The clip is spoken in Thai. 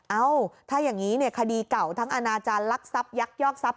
เอ้าถ้าอย่างนี้เนี่ยคดีเก่าทั้งอนาจารย์ลักษัพยักษ์ยอกศัพท์